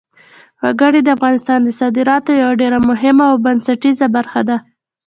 وګړي د افغانستان د صادراتو یوه ډېره مهمه او بنسټیزه برخه ده.